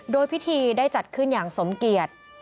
โดยพิธีได้จัดขึ้นอย่างสมเกียจ